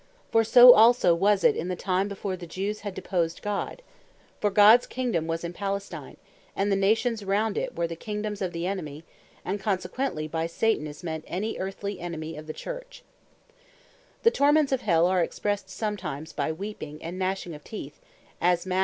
For so also was it, in the time before the Jews had deposed God. For Gods Kingdome was in Palestine; and the Nations round about, were the Kingdomes of the Enemy; and consequently by Satan, is meant any Earthly Enemy of the Church. Torments Of Hell The Torments of Hell, are expressed sometimes, by "weeping, and gnashing of teeth," as Mat.